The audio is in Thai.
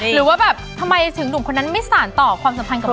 หรือว่าแบบทำไมถึงหนุ่มคนนั้นไม่สารต่อความสัมพันธ์กับเขา